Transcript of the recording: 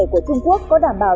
của trung quốc có đảm bảo